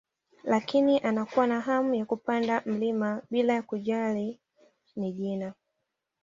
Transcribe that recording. Lakini anakuwa na hamu ya kupanda mlima bila ya kujali ni jina